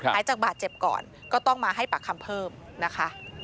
หายจากบาดเจ็บก่อนก็ต้องมาให้ปากคำเพิ่มนะคะ